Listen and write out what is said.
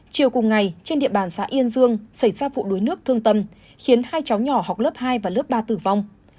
chiều cùng ngày trên địa bàn xã yên dương xảy ra vụ đuối nước thương tâm khiến hai cháu nhỏ học lớp hai và lớp ba tử vong